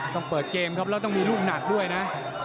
ต้องเปิดเกมครับแล้วต้องมีลูกหนักด้วยนะ